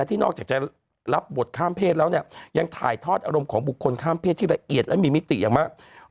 ที่นอกจากจะรับบทข้ามเพศแล้วเนี่ยยังถ่ายทอดอารมณ์ของบุคคลข้ามเพศที่ละเอียดและมีมิติอย่างมาก